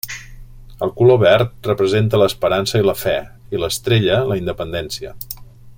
El color verd representa l'esperança i la fe, i l'estrella, la independència.